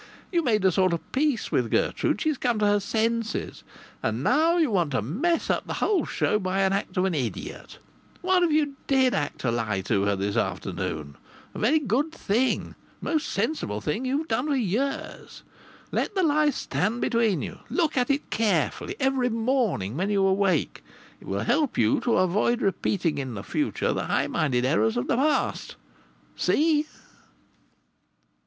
You've made a sort of peace with Gertrude. She's come to her senses. And now you want to mess up the whole show by the act of an idiot! What if you did act a lie to her this afternoon? A very good thing! The most sensible thing you've done for years! Let the lie stand between you. Look at it carefully every morning when you awake. It will help you to avoid repeating in the future the high minded errors of the past. See?"